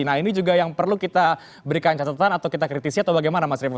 nah ini juga yang perlu kita berikan catatan atau kita kritisi atau bagaimana mas revo